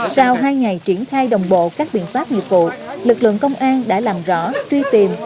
sau hai ngày triển khai đồng bộ các biện pháp nghiệp vụ lực lượng công an đã làm rõ truy tìm